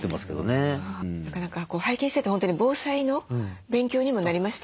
なかなか拝見してて本当に防災の勉強にもなりましたね。